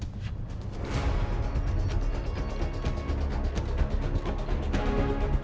kau dulu yang ada di video lalu